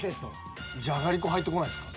じゃがりこ入ってこないですか？